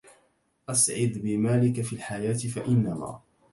اسعد بمالك في الحياة فإنما